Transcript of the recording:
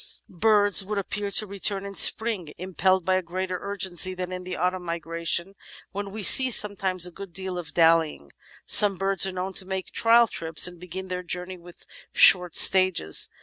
Birds would appear to return in spring impelled by a greater urgency than in the autumn migration, when we see sometimes a good deal of dallying. Some birds are known to make trial trips and begin their journey with short stages.